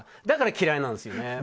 だから、嫌いなんですよね。